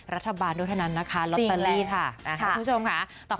รัฐบาลด้วยเท่านั้นนะคะลอตเตอรี่ค่ะคุณผู้ชมค่ะ